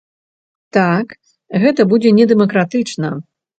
Так, гэта будзе недэмакратычна.